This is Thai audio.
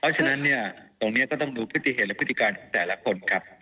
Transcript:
เพราะฉะนั้นเนี่ยตรงนี้ก็ต้องดูพฤติเหตุและพฤติการของแต่ละคนครับ